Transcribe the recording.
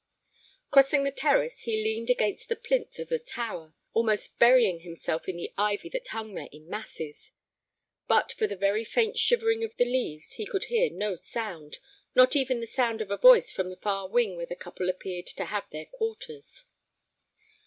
Crossing the terrace, he leaned against the plinth of the tower, almost burying himself in the ivy that hung there in masses. But for the very faint shivering of the leaves he could hear no sound, not even the sound of a voice from the far wing where the couple appeared to have their quarters.